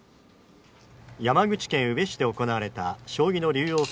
山口県宇部市で行われた将棋の竜王戦